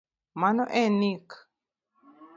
Mano en nik